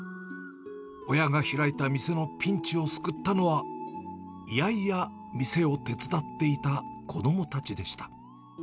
親が開いた店のピンチを救ったのは、嫌々店を手伝っていた子どもたちでした。